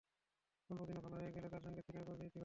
অল্প দিনে ভালো হয়ে চলে গেলে তার সঙ্গে তৃণার পরিচয়ের ইতি ঘটল।